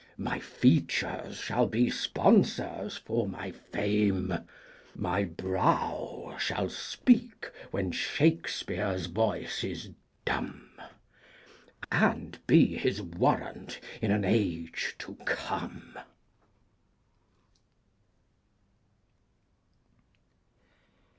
My features shall be sponsors for my fame; My brow shall speak when Shakespeare's voice is dumb, And be his warrant in an age to come.